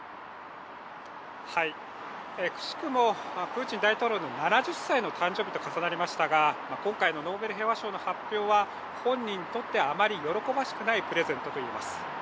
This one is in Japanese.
くしくもプーチン大統領の７０歳の誕生日と重なりましたが今回のノーベル平和賞の発表は本人にとってはあまり喜ばしくないプレゼントといえます。